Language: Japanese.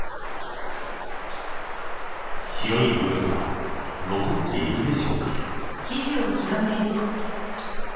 白い部分は残っているでしょうか。